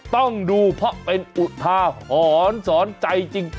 ต้องดูเพราะเป็นอุทาหรณ์สอนใจจริง